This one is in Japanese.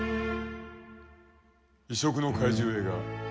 異色の怪獣映画。